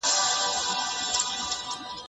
د شریف تندی له ډېرې غوسې څخه تریو شو.